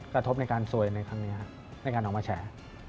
กระทบในการซวยในครั้งนี้ครับในการออกมาแฉ